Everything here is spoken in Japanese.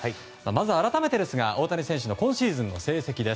まず改めてですが大谷選手の今シーズンの成績。